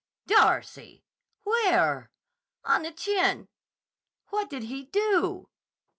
_" "Darcy! Where?" "On the chin." "What did he do?"